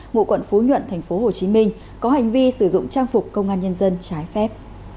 ngụ quận phú nhuận tp hcm có hành vi sử dụng trang phục công an nhân dân trái phép